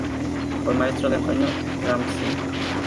Fue maestro de Antonio Gramsci.